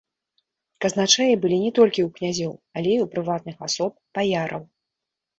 Казначэі былі не толькі ў князёў, але і ў прыватных асоб, баяраў.